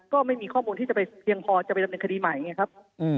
ก็ไม่มีข้อมูลที่จะไปเพียงพอจะไปดำเนินคดีใหม่ไงครับ